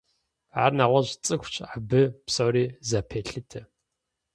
Ар нэгъуэщӏ цӏыхущ, абы псори зэпелъытэ.